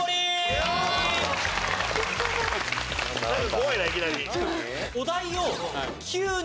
怖いないきなり。